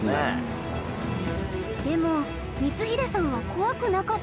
でも光秀さんは怖くなかったんですか？